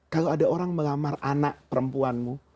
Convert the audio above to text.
kalau ada orang melamar anak perempuanmu